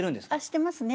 してますね。